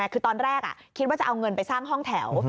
คือตอนแรกคิดว่าจะเอาเงินไปสร้างห้องแถว